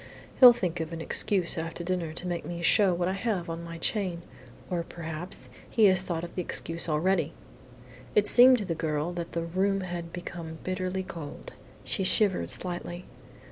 "He'll think of an excuse after dinner to make me show what I have on my chain, or perhaps he has thought of the excuse already!" It seemed to the girl that the room had become bitterly cold. She shivered slightly.